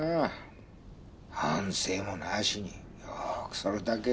反省もなしによくそれだけ。